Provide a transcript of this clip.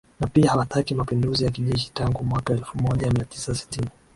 na pia hawataki mapinduzi ya kijeshi Tangu mwaka elfumoja miatisa sitini